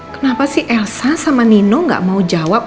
kenapa sih elsa sama nino gak mau jawab